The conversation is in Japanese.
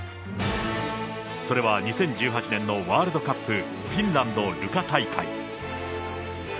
それは２０１８年のワールドカップ、フィンランド・ルカ大会。